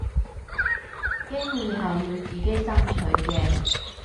機會係要自己爭取嘅